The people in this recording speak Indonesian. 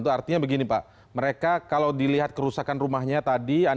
artinya begini pak mereka kalau dilihat kerusakan rumahnya tadi